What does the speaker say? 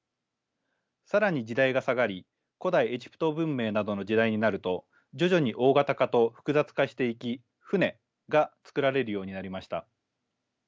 更に時代が下がり古代エジプト文明などの時代になると徐々に大型化と複雑化していき船が造られるようになりました。